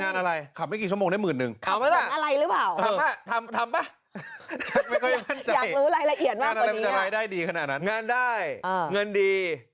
เงินดี